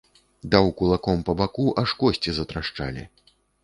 Даў кулаком па баку, аж косці затрашчалі.